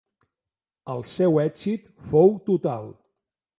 El seu èxit fou total.